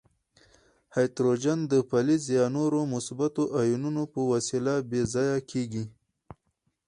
هایدروجن د فلز یا نورو مثبتو آیونونو په وسیله بې ځایه کیږي.